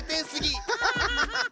ハハハハ！